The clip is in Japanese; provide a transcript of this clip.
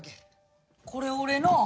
これ俺の！